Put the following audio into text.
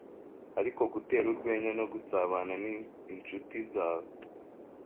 Ariko gutera urwenya no gusabana n incuti zawe